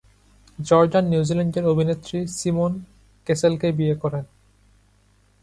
Jordan নিউজিল্যান্ডের অভিনেত্রী Simone কেসেলকে বিয়ে করেন।